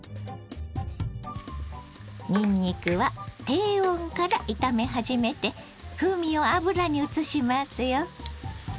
にんにくは低温から炒め始めて風味を油にうつしますよ。